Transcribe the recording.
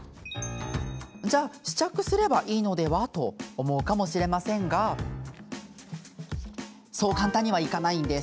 じゃあ試着すればいいのでは？と思うかもしれませんがそう簡単にはいかないんです。